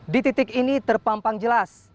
di titik ini terpampang jelas